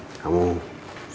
kamu pilih yang mana aja